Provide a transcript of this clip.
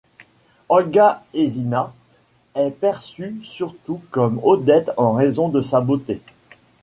Olga Esina est perçue surtout comme Odette en raison de sa beauté.